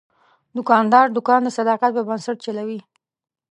دوکاندار دوکان د صداقت په بنسټ چلوي.